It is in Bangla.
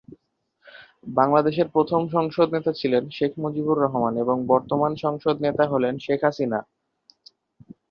বাংলাদেশের প্রথম সংসদ নেতা ছিলেন শেখ মুজিবুর রহমান এবং বর্তমান সংসদ নেতা হলেন শেখ হাসিনা।